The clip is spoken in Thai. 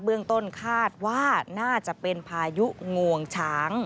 เบื้องต้นคาดว่าน่าจะเป็นพายุงวงช้าง